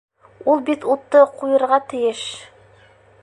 Ул бит утты ҡуйырға тейеш.